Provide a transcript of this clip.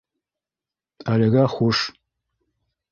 Әлегә хуш.